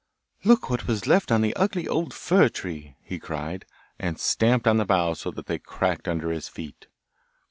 'Look what was left on the ugly old fir tree!' he cried, and stamped on the boughs so that they cracked under his feet.